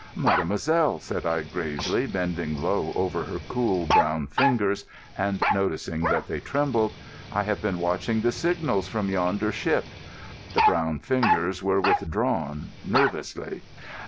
"Mademoiselle," said I gravely, bending low over her cool brown fingers, and noticing that they trembled, "I have been watching the signals from yonder ship." The brown fingers were withdrawn nervously.